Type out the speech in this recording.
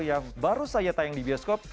yang baru saja tayang di bioskop